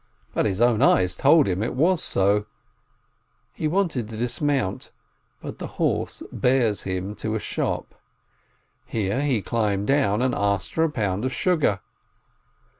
But his own eyes told him it was so. He wanted to dis mount, but the horse bears him to a shop. Here he climbed down and asked for a pound of sugar.